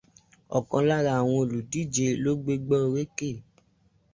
Ọ̀kan lára àwọn olùdíje ló gbégbá orókè.